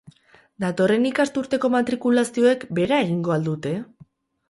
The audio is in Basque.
Datorren ikasturteko matrikulazioek behera egingo al dute?